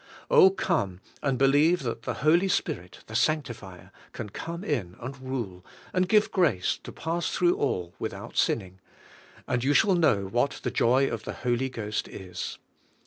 Oh, come, and believe that the Holy Spirit, the sanctifierjCan come in and rule, and give grace to pass through all without sinning, and you shall know what the joy of the Holy Ghost is.